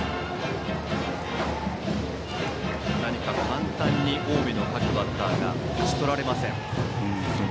簡単に近江の各バッターが打ち取られません。